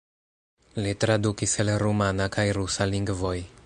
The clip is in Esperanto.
Li tradukis el rumana kaj rusa lingvoj.